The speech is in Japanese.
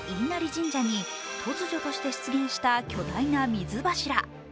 神社に突如として出現した巨大な水柱。